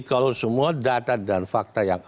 kalau semua data dan fakta yang